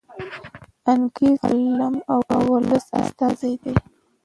انګریز د علم او لوست استازی دی.